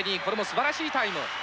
これもすばらしいタイム。